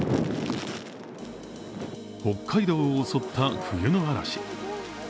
北海道を襲った冬の嵐。